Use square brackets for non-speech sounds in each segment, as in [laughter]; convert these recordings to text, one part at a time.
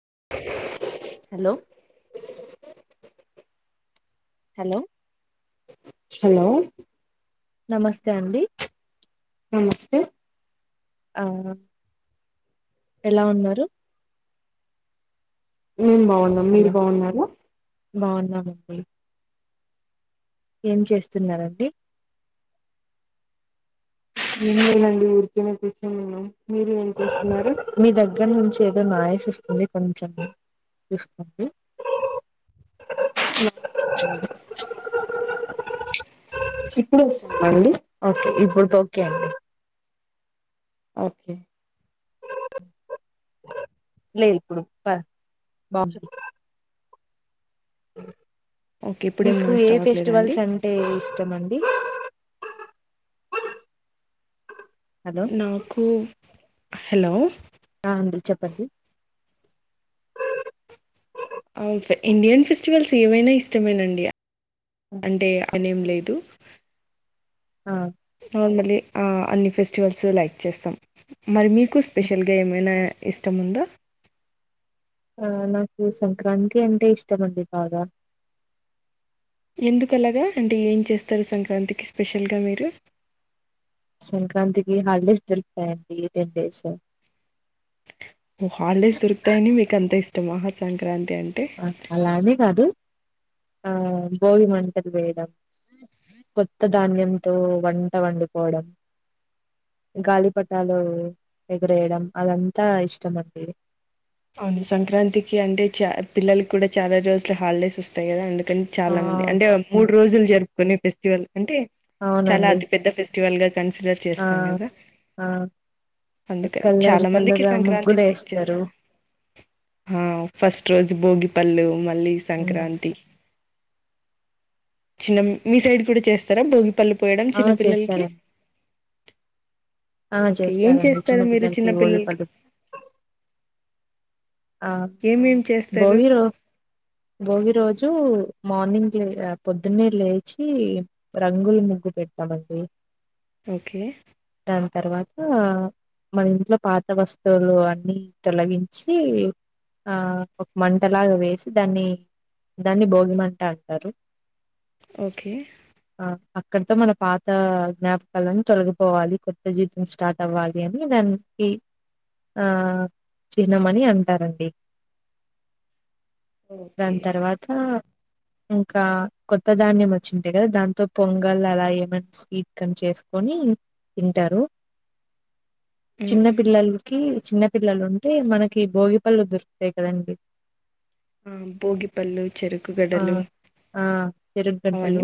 హు hello hello hello నమస్తే అండి నమస్తే ఆ ఎలా ఉన్నారు మేం బాగున్నాం మీరు బాగున్నారా బాగున్నా అండి ఏం చేస్తున్నారండి ఎం లేదు అండి ఊరికనే కూర్చొని ఉన్నాం మీరు ఏం చేస్తున్నారు మీ దగ్గర నుంచి ఏదో నాయిస్ ఇస్తుంది కొంచెం చూసుకోండి [unintelligible] ఇప్పుడే వస్తుందా అండి ఓకే ఇప్పుడు ఓకే అండి ఓకే లే ఇప్పుడు బ బాగుంది అ ఓకే ఇప్పుడేం మీకు నాయిస్ ఏ రావట్లేదా అండి ఫెస్టివల్స్ అంటే ఇష్టం అం ఇ హలో నాకు హలో ఆ అండి చెప్పండి ఇండియన్ ఫెస్టివల్స్ ఏవైనా ఇష్టమేనండి అంటే అనేం లేదు ఆ నార్మలీ ఆ అన్ని ఫెస్టివల్స్ లైక్ చేస్తాం మరి మీకు స్పెషల్గా ఏమైనా ఇష్టముందా ఆ నాకు సంక్రాంతి అంటే ఇష్టం అండి బాగా ఎందుకు అలాగా అంటే ఏం చేస్తారు సంక్రాంతికి స్పెషల్గా మీరు సంక్రాంతికి హాలిడేస్ దొరుకుతాయి అండి టెన్ డేస్ ఓ హాలీడేస్ దొరుకుతాయిని మీకు అంత ఇష్టం సంక్రాంతి అంటే అలానీ కాదు ఆ భోగి మంటలు వేయడం కొత్త ధాన్యంతో వంట వండుకోవడం గాలిపటాలు ఎగరేయడం అదంతా ఇష్టం అండి అవును సంక్రాంతికి అంటే చ పిల్లకి కూడా చాలా రోజుల హాలిడేస్ వస్తాయి కదా అందు ఆ చాలా మంది అంటే మూడు రోజులు జరుపు కొన్ని ఫెస్టివల్ అంటే చాలా అవునండి అతిపెద్ద ఫస్ టువల్ కన్సిడర్ ఆ చేస్తాం కదా ఆ అందుకని కలర్ చాలా మందికి కలర్ సంక్రాంతి ముగ్గులు లైక్ వేస్తారు చేస్తారు ఆ ఫస్ట్ రోజు భోగిపళ్ళు మళ్ళీ ఉమ్, సంక్రాంతి చిన్న మీ సైడ్ కూడా చేస్తారా భోగి పళ్ళుపోయడం ఆ చిన్న పిల్లలకి చేస్తారండి ఆ ఓకే. ఏం చేస్తారండి చేస్తారు చిన్న మీరు పిల్లలకి భోగి పండ్లు ఆ ఏమేమి చేస్తారు? భోగి రో భోగి రోజు మార్నింగ్ లే పొద్దున్నేరు లేచి రంగులు ముగ్గు పెడట్టామండి ఓకే దాని తర్వాత మన ఇంట్లో పాత వస్తువులు అన్నిీ తొలగించి ఆ ఒక మంటలాగా వేసి దాన్ని దాన్ని భోగి మంట అంటారు ఓకే అక్కడతో మన పాత జ్ఞాపకాలని తొలగిపోవాలి కొత్త జీవితం స్టార్ట్ అవ్వాలి అని దా ఆ చిహ్నం అని అం టా రండి ఓకే. దాని తర్వాత ఇంకా కొత్త ధాన్యం వచ్చింటాయి కదా దాంతో పొంగల్ అలా ఏమైన్నా స్వీట్ కని చేసుకొని తింటారు హ్మ్. చిన్న హ్మ్. పిల్లలకి చిన్న పిల్లలు ఉంటే మనకి భోగి పల్ దొరుకుతాయి కదండి ఆ భోగిపళ్ళు ఆ చెరుకుగడలు ఆ చెరుక్ గడ్దలు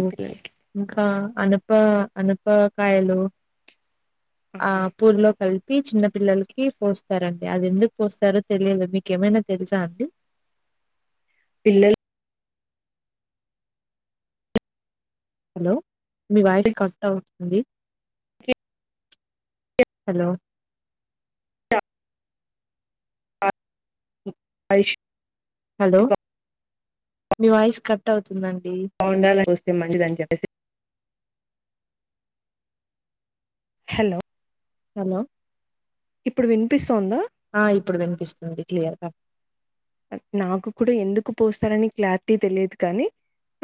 కా అనుప అనుప కాయలు ఆ పూర్లో కలిపి చిన్న పిల్లలకి పోస్తారండి అది ఎందుకు పోస్తారో తెలియదు మీకేమైనా తెలుసా అండి పిల్లలు హలో మీ వాయిస్ కట్ అవుతుంది హలో అష్ హలో మీ వాయిస్ కట్ అవుతుం తుందడి కె మంచిదని చెప్పేసి హలో హలో ఇప్పుడు వినిపిస్తోందా ఆ ఇప్పుడు వినిపిస్తుంది క్లియర్గా నాకు కూడా ఎందుకు పోస్తారని క్లారిటీ తెలియదు కానీ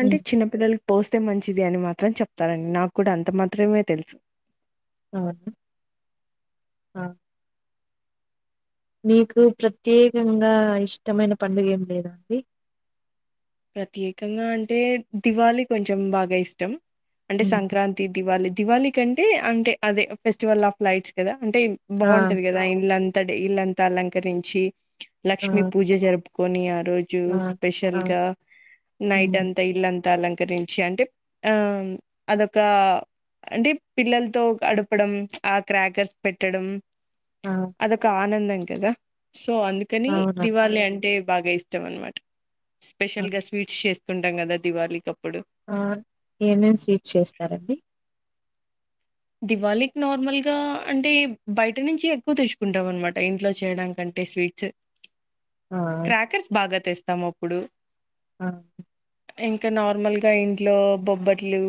అంటే చిన్నపిిల్లల పోస్తే మంచిది అని మాత్రం చెప్తారండి నాకు కూడా అంత మాత్రమే తెలుసు ఆ ఆ మీకు ప్రత్యేకంగా ఇష్టమైన పండుగ ఏం లేదా అండి ప్రత్యేకంగా అంటే దివాళి కొంచెం బాగా ఇష్టం అంటే హ్మ్. సంక్రాంతి దివాళి దివళి కంటే అంటే అదే ఫెస్టివల్ ఆఫ్ లైట్స్ కదా అంటే ఆ బాగుంటది కదా ఇళ్ల తడే ఇళ్లంతా అలంకరించి ఆ లక్ష్మీ పూజ జరుపు కోనియార్ రోజు ఆ స్పెషల్ ఆ గా నైట్ హ్మ్. అంత ఇల్ంత అంత అలంకరించి అంటే ఆ అదొక అంటే పిల్లలతో గడపడం ఆ క్రాకర్స్ పెట్టడం ఆ అదక ఆనందం ం కదా సో అందుకని అవునండి దివాళి అంటే బాగా ఇష్టం అన్నమాట స్పెషల్ గా స్వీట్స్ చేస్త ఉండంగాదా దివళీ తో ఏమేమి స్వీట్ చేస్తారండి దివాళీకి నార్మల్గా అంటే బయట నుంచి ఎక్కువ తెచ్చుకుంటాం అనమాట ఇంట్లో చేయడానికంటే స్వీట్స్ ఆ క్రాకర్స్ భాగా తెస్తా తమప్పుడు ఆ ఇంకా నార్మల్ గా ఇంట్లో బొబ్బట్లు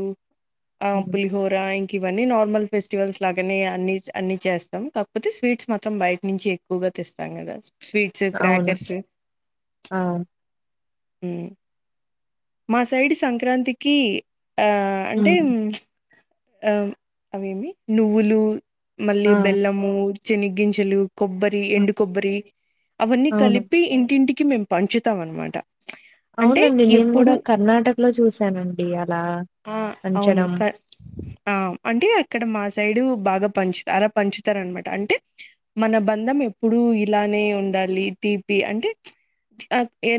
ఆ హ్మ్. పులిహోరా ఇవీ నార్మల్ ఫెస్టివల్స్ లాగానే అన్ని అన్ని చేస్తాం కాకపోతే స్వీట్స్ మాత్రం బయట నుంచి ఎక్కువగా తెస్తాం కదా స్వీట్స్ అవును క్రాకర్స్ ఆ మా సైడ్ సంక్రాంతికి ఆ అంటే హ్మ్. అ అవేమి నువ్వులు మళ్ళీ ఆ! బెల్లము చెనిగ్గించలు కొబ్బరి ఆ! ఎండు కొబ్బరి అవన్నీ అవును. కలిపి ఇంటింటికి కి మేము పంచుతాం అనమాట అంటే అవునండి నేను ఎప్పుడు కూడా కర్ణాటకలో చూసానండి అలా ఆ అవును పంచడం క ఆ అంటే అక్కడ మా సైడు బాగా పంచుతారు అ పంచుతారునమాట అంటే మన బంధం ఎప్పుడు ఇలానే ఉండాలి తీపి అంటే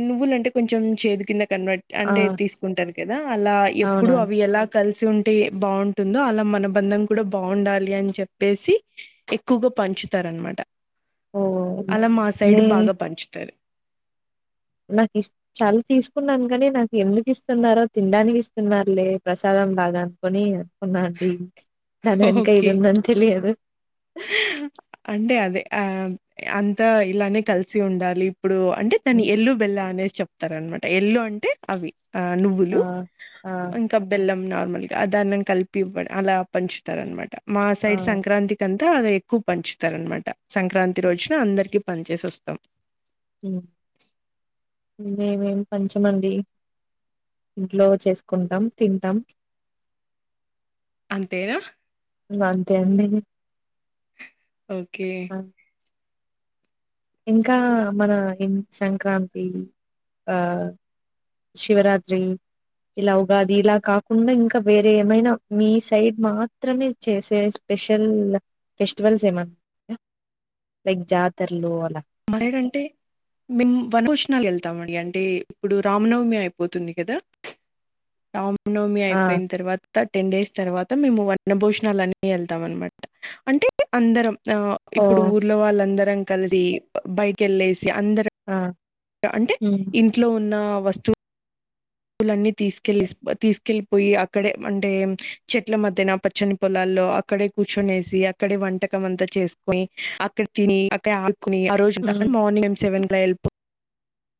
నువ్వులు అంటే కొంచ చేదు కింద కన్వర్ట్ ఆ! అంటే తీసుకుంటారు కదా అలా ఎప్పుడు అవునవును. అవి ఎలా కలిసి ఉంటే బాగుంటుందో అలా మ అనుబంధం కూడా బాగుండాలి అని చెప్పేసి ఎక్కువగా పంచుతారు అనమాట ఓహ్! అలా మా సైడ్ నే బాగా పంచుతారు నాక్ ఇస్ చల తీసుకున్నాను కానీ నాకు ఎందుకు ఇస్తున్నారో తినడానికి ఇస్తున్నారులే ప్రసాదం లాగ అనుకొని నా డీప్ దాన్ వెనక ఓకే ఐదుందని తెలియదు అంటే అదే ఆ అంతా ఇలానే కలిసి ఉండాలి ఇప్పుడు అంటే తని హ్మ్. ఎల్లు బెల్ల అనేసి చెప్ తరనమాట ఎల్లు అంటే అవి ఆ ఆ! నువ్వులు ఆ! ఇంకా బెల్లం నా మనకి అ దాన్నం కలిపి ఇవ్వడ్ అలా పంచుతారనమాట మా ఆ! సైడ్ సంక్రాంతి తా అది ఎక్కువ పంచుతారు అనమాట సంక్రాంతి రోజున అందరికి పని చేేసి వస్తాం హుమ్ మేమేం పంచిమండి ఇంట్లో చేసుకుంటాం తింటాం అంతేనా అంతే అడి ఓకే ఇంకా మన ఇ సంక్రాంతి ఆ శివరాత్రి ఇలా ఉగాది ఇలా కాకుండా ఇంకా వేరే ఏమైనా మీ సైడ్ మాత్రమే చేసే స్పెషల్ ఫెస్టివల్స్ ఏమన్న ఉన్నాయ లైక్ జాతరలు అలా అంటే మేము వనభోజనాలకి ఎళ్తామండి అంటే ఇప్పుడు రామనవమి అయిపోతుంది కదా అవును నవమి ఆ అయిపోయిన తర్వాత థర్టీన్ డేస్ తర్వాత మేము వనభోజనాలు అని వెళ్తాం అనమాట అంటే అందరం ఆ ఓ ఇప్పుడు ఊర్లో వాళ్ళందరు రం కలిసి బైక్ ఎల్లేసి అంద్ ఆ అంటే హ్మ్ ఇంట్లో ఉన్నా వస్తువు వులన్నీ తీసుకెళ్లి తీసుకెళ్ళిపోయి అక్కడే అంటే చెట్ల మధ్యన పచ్చని పొలాల్లో అక్కడే కూర్చొనేసి అక్కడే వంటకం అంతా చేసుకొని అక్కడ తిని అక్కడే ఆ రోజంతా హ్మ్ మార్నింగ్ సెవెన్ అల ఎల్పో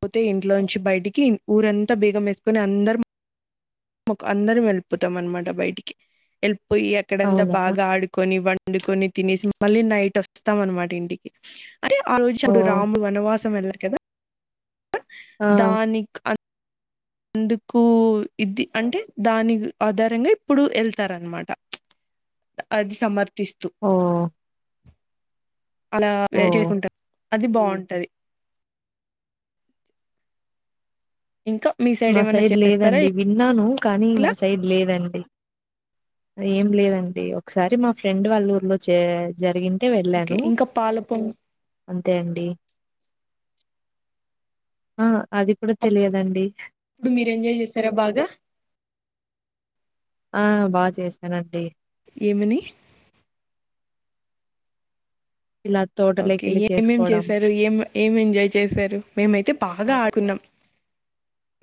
పోతే ఇంట్లో నుంచి బయటికి ఊరంతా బీగం వేసుకుని అందరం కు అందరం వెళ్ళిపోతాం అనమాట బయటికి వె పోయి అక్కడంతా అవునా బాగ ఆడుకొని వండుకొని తినేసి మళ్ళీ నైట్ వస్తాం అనమాట ఇంటికి అదే ఆలోచి ఓ అప్పుడు రాముడు వనవాసం వెల్యా కాదా ఆ దానికి అం అందుకు ఇది అంటే దాని ఆధారంగా ఇప్పుడు వెళ్తార అనమాట అది సమర్థ తిస్తు ఓ అలా ఓ వే చేస్తుంటారు అది బాగుంటది ఇంకా మీ మా ఏమైనా సైడ్ చేస్తారా లేదండి విన్నాను కానీ మా ఇలా సైడ్ లేదండి ఏం లేదండి ఒకసారి మా ఫ్రెండ్ వాళ్ళ ఊర్లో జరిగింది ఓకే ఇంకా పాలపం అంతే అండి ఆ అది కూడా తెలియదండి ఇప్పుడు మీరు ఎంజాయ్ చేస్తారా బాగా ఆ బాగా చేసానండి ఏమిని ఇలా ఓకే తోటలోకెళ్ళి ఎమ్ ఏమేం చేసుకోవడం. చేశారు ఏం ఏం ఎంజాయ్ చేశారు మేమైతే బాగా ఆడుకున్నాం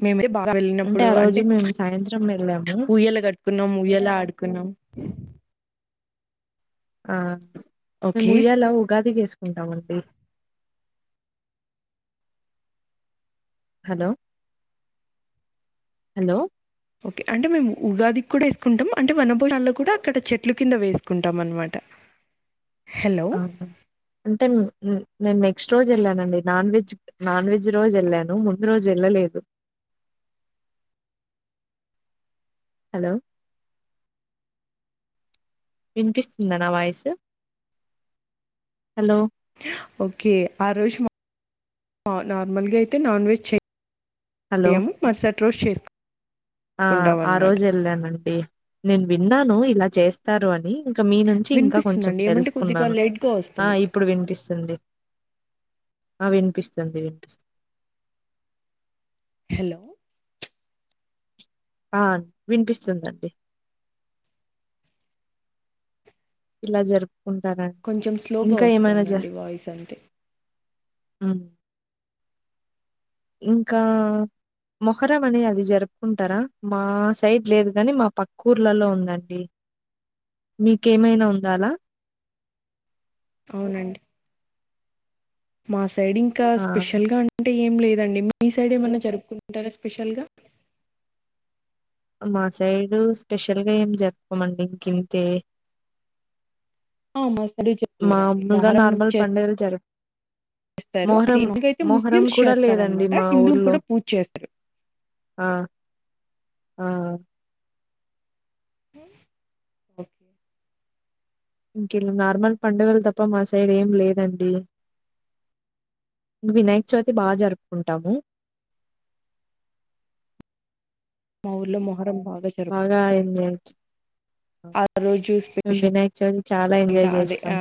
మేమే బాగా వెళ్ళినప్పుడు ఆ రోజు అంటే మేము సాయంత్రం వెళ్ళాము. ఊయ్యలా కట్టుకున్నాం ఉయ్యలా ఆడుకున్నాం ఆ మేము ఓకే ఉయ్యాల ఉగా టివి వేసుకుంటామండి హలో హలో ఓకే అంటే మేము ఉగాదికి కూడా వేసుకుంటాం అంటే వనభోజల్లో కూడా అక్కడ చెట్లు కింద వేసుకుంటాం అనమాట హలో అ అంతే నే మీక్ నెక్స్ట్ రోజు వెళ్ళానండి నాన్ వెజ్ నాన్ వెజ్ రోజు వెళ్ళాను ముందు రోజు వెళ్ళలేదు హలో వినిపిస్తుందా నా వాయిసు హలో ఓకే ఆ రోజు నార్మల్గా అయితే నాన్ వెజ్ చేయ హలో ఏము మరసట్ ట్రోష్ చేస్తు ఆ ఆ రోజు వెళ్ళానండి నేను విన్నాను ఇలా చేస్తారు అని ఇంకా మీ నుంచి ఇంకా కొంచెం వినిపిస్తుందండి ఏమంటే కొద్దిగా తెలుసుకున్నాను లేట్ గా ఆ వస్తుంది ఇప్పుడు వినిపిస్తుంది ఆ వినిపిస్తుంది వినిపిస్తుంది హలో ఆ వినిపిస్తుందండి ఇలా జరుపు కొంచెం స్లోగా వస్తుందండి వాయిస్ అంతే అ ఇంకా మొహరం అని అది జరుపుకుంటారా మా సైడ్ లేదు కానీ మా పక్కూర్లలో ఉందండి మీకేమైనా ఉంద అలా అవునండి మాస సైడ్ ఇంకా ఆ! స్పెషల్ గా అంటే ఏం లేదండి మీ సైడ్ ఏమన్నా జరుపుకుంటారా స్పెషల్ గా మా సైడు స్పెషల్ గా ఏం జరపుకోమండి ఇంకంతే హౌ మచ్ మాములుగా నార్మల్ పండుగలు జరు స్తారు ఇకైతే ముస్లిమ్స్ కూడా లేదండి చేస్తారనమాట మా హిందువులు ఊర్లో. కూడా పూజ చేస్తారు ఆ! ఆ ఓకే ఇంక ఇలా నార్మల్ పండుగలు తప్ప మా సైడ్ ఏం లేదండి ఇక వినాయక చవితి బాగా జరుపుకుంటాము మా ఊర్లో మొహరం బాగా జరుపుకుంటారండి చేస్తాం. ఆ రోజు మేము స్పెషల్ వినాయక చవితి చాలా ఎంజాయ్ అదే జేస్తాం. ఆ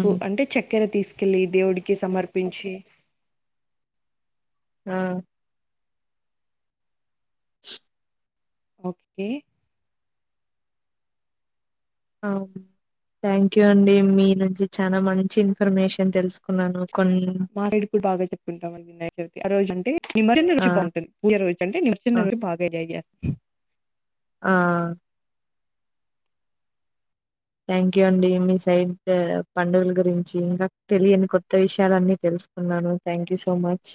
పూ అంటే చక్కెర తీసుకెళ్ళి దేవుడికి సమర్ప పించి ఆ ఓకే ఆహ్ థ్యాంక్ యూ అండి మీ నుంచి చాలా మంచి ఇన్ఫర్మేషన్ తెలుసుకున్నాను కొన్ మా సైడు కూడా అవే చెప్పుకుంటాండి చవితి ఆ రోజు ని మరిన్ను ఆ! రోజు బాగుంటుంది మీ ఇక రోజు అంటే మేము ఆ! వచ్చిన రోజు బాగా ఎంజాయ్ చేస్తారు ఆ థ్యాంక్ యూ అండి మీ సైడ్ పండుగల గురించి ఇంకా తెలియని కొత్త విషయాలన్నీ తెలుసుకున్నాను థ్యాంక్ యూ సో మచ్